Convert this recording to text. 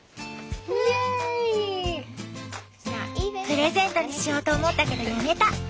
プレゼントにしようと思ったけどやめた！